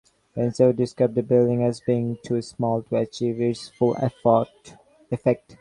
Pevsner described the building as being "too small to achieve its full effect".